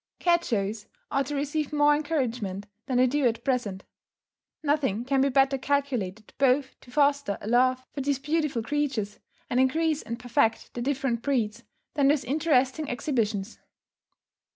Cat shows ought to receive more encouragement than they do at present. Nothing can be better calculated both to foster a love for these beautiful creatures, and increase and perfect the different breeds, than those interesting exhibitions.